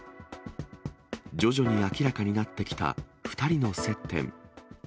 徐々に明らかになってきた２人の接点。